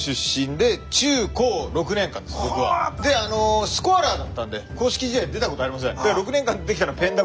であのスコアラーだったんで公式試合出たことありません。